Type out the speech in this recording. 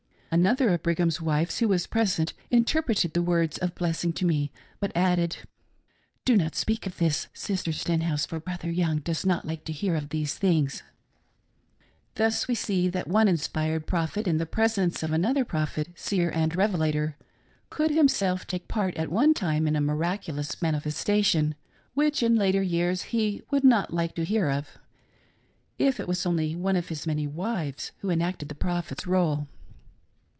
Another of Brigham's wives who was present inter preted the words of blessing to me, but added :" Do not speak of this, Sister Stenhouse, for Brother Young does not like to hear of these things." Thus we see that one inspired prophet in the presence of another " prophet, seer, and reve lator," could himself take part at one time in a miraculous manifestation, which in later years he "would not like to hear of," if it was only one of his many wives yvho enacted the prophet's rdle.